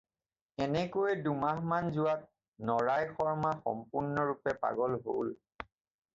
এনেকৈয়ে দুমাহমান যোৱাত নৰাই শৰ্মা সম্পূৰ্ণৰূপে পগলা হ'ল।